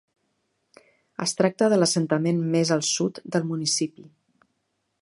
Es tracta de l'assentament més al sud del municipi.